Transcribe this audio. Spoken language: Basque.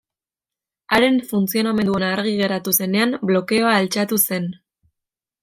Haren funtzionamendu ona argi geratu zenean, blokeoa altxatu zen.